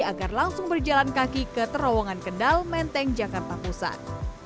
agar langsung berjalan kaki ke terowongan kendal menteng jakarta pusat